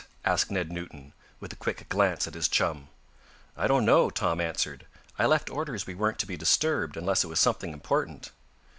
asked Ned Newton, with a quick glance at his chum. "I don't know," Tom answered. "I left orders we weren't to be disturbed unless it was something important."